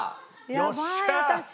よっしゃー！